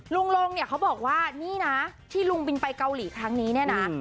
ลงเนี่ยเขาบอกว่านี่นะที่ลุงบินไปเกาหลีครั้งนี้เนี่ยนะ